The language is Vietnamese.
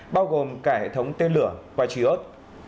bao gồm cả hệ thống tên lửa và trí ớt